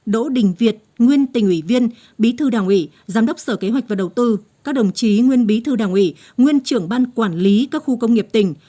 đỗ đình việt nguyên tỉnh ủy viên bí thư đảng ủy giám đốc sở kế hoạch và đầu tư các đồng chí nguyên bí thư đảng ủy nguyên trưởng ban quản lý các khu công nghiệp tỉnh